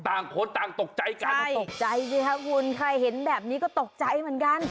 ต่างคนต่างตกใจกันตกใจสิคะคุณใครเห็นแบบนี้ก็ตกใจเหมือนกัน